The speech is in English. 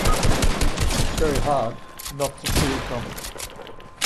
It's very hard not to steal from it.